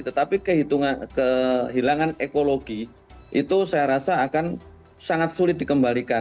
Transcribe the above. tetapi kehilangan ekologi itu saya rasa akan sangat sulit dikembalikan